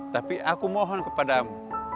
tapi aku mohon kepadamu